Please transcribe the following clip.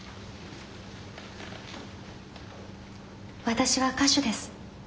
私は歌手です。